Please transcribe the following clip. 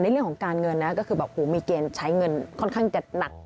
เรื่องของการเงินนะก็คือแบบมีเกณฑ์ใช้เงินค่อนข้างจะหนัก